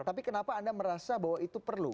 tapi kenapa anda merasa bahwa itu perlu